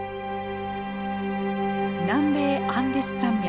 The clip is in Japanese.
南米アンデス山脈。